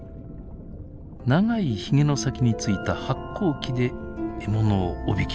長いヒゲの先についた発光器で獲物をおびき寄せます。